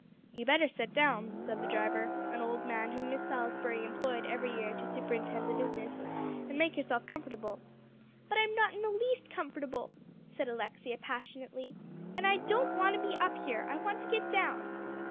"You better set down," said the driver, an old man whom Miss Salisbury employed every year to superintend the business, "and make yourself comfortable." "But I'm not in the least comfortable," said Alexia passionately, "and I don't want to be up here. I want to get down."